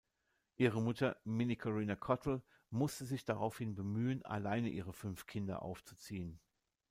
Ihre Mutter, Minnie Corina Cottle, musste sich daraufhin bemühen, alleine ihre fünf Kinder aufzuziehen.